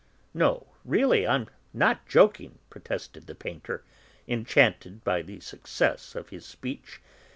"No, really, I'm not joking!" protested the painter, enchanted by the success of his speech.